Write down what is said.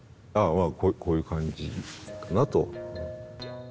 まあこういう感じかなと。